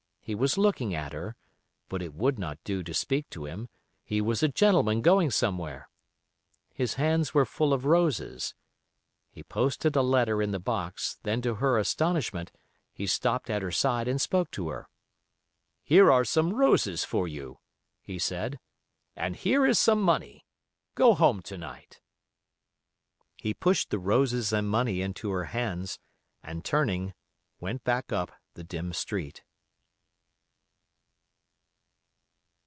He was looking at her, but it would not do to speak to him, he was a gentleman going somewhere. His hands were full of roses. He posted a letter in the box, then to her astonishment he stopped at her side and spoke to her. "Here are some roses for you," he said, "and here is some money. Go home to night." He pushed the roses and money into her hands, and turning, went back up the dim street.